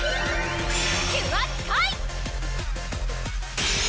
キュアスカイ！